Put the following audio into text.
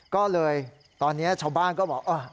ก็เลยตอนนี้ชาวบ้านก็บอก